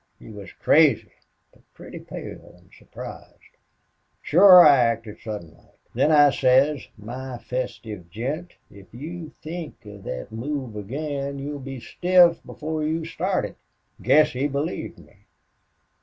He was crazy, but pretty pale an' surprised. Shore I acted sudden like. Then I says, 'My festive gent, if you THINK of thet move again you'll be stiff before you start it.'... Guess he believed me."